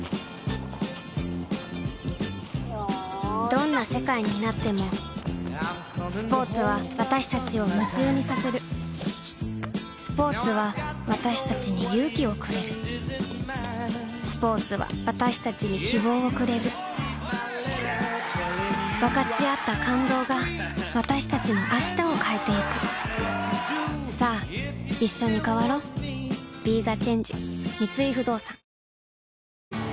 どんな世界になってもスポーツは私たちを夢中にさせるスポーツは私たちに勇気をくれるスポーツは私たちに希望をくれる分かち合った感動が私たちの明日を変えてゆくさあいっしょに変わろうよねうち。